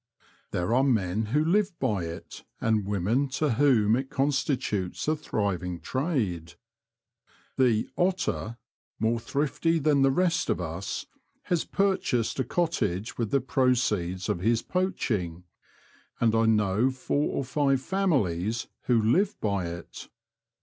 There are men who live by it and women to whom it constitutes a thriving trade. The '^ Otter," more thrifty than the rest of us, has purchased a cottage with the proceeds of his poaching ; and I know four or fiwt families who live by it.